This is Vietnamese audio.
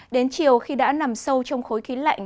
đến chiều khi đã nằm sâu trong khối khí lạnh